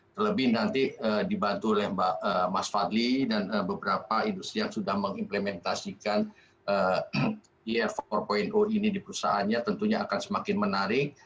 terlebih nanti dibantu oleh mas fadli dan beberapa industri yang sudah mengimplementasikan im empat ini di perusahaannya tentunya akan semakin menarik